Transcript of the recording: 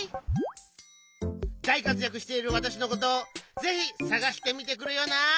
だいかつやくしているわたしのことをぜひさがしてみてくれよな。